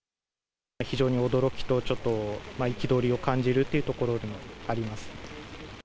非常に驚きと、ちょっと憤りを感じるというところでもあります。